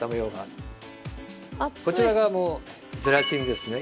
こちらがゼラチンですね。